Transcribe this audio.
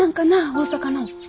大阪の。